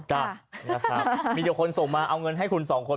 จ้ะนะครับมีเดี๋ยวคนส่งมาเอาเงินให้คุณสองคน